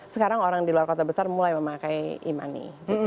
sekarang orang di luar kota besar mulai memakai e money